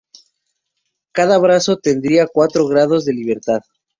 Cada brazo tendría cuatro grados de libertad.